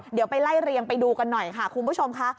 เดี๋ยวไปไล่เรียงไปดูกันหน่อยค่ะคุณผู้ชมค่ะ